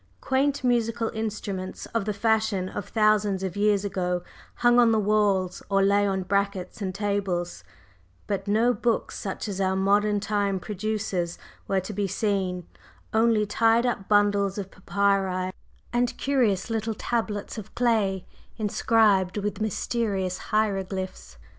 Quaint musical instruments of the fashion of thousands of years ago hung on the walls or lay on brackets and tables, but no books such as our modern time produces were to be seen; only tied up bundles of papyri and curious little tablets of clay inscribed with mysterious hieroglyphs.